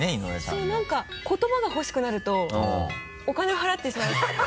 そう何か言葉がほしくなるとお金を払ってしまいます。